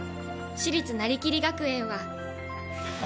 私立なりきり学園は。